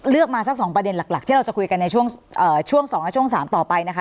เลือกมาสักสองประเด็นหลักที่เราจะคุยกันในช่วงช่วงสองและช่วงสามต่อไปนะคะ